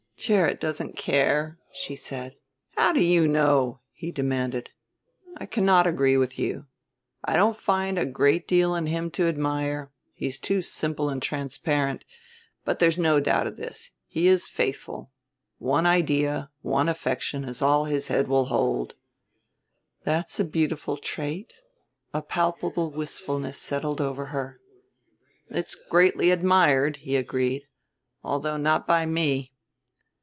"Gerrit doesn't care," she said. "How do you know?" he demanded. "I cannot agree with you. I don't find a great deal in him to admire, he is too simple and transparent; but there's no doubt of this, he is faithful. One idea, one affection, is all his head will hold." "That's a beautiful trait." A palpable wistfulness settled over her. "It's greatly admired," he agreed; "although not by me.